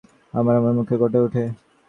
আমার মুখে অনেক গোটা উঠে।